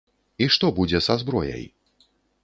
І што будзе са зброяй?